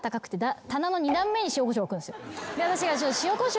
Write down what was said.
私が。